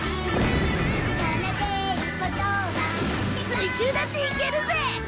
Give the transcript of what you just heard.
水中だって行けるぜ！